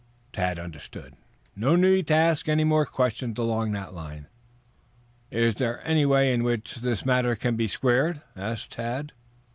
Tad understood. No need to ask any more questions along that line. "Is there any way in which this matter may be squared?" asked Tad.